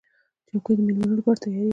چوکۍ د مېلمنو لپاره تیارېږي.